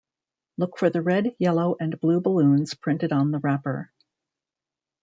Look for the red, yellow and blue balloons printed on the wrapper.